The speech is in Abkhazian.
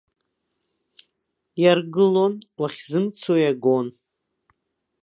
Иаргылон, уахьзымцо иагон.